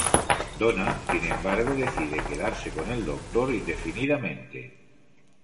Donna, sin embargo, decide quedarse con el Doctor indefinidamente.